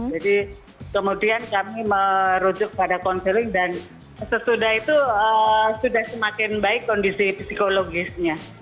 jadi kemudian kami merujuk pada konseling dan sesudah itu sudah semakin baik kondisi psikologisnya